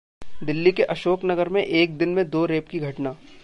दिल्ली के अशोक नगर में एक दिन में दो रेप की घटना